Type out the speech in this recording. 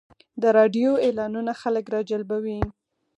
د راډیو اعلانونه خلک راجلبوي.